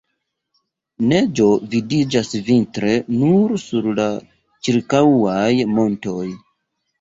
Neĝo vidiĝas vintre nur sur la ĉirkaŭaj montoj.